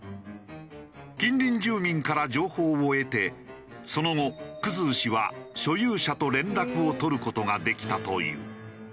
近隣住民から情報を得てその後生氏は所有者と連絡を取る事ができたという。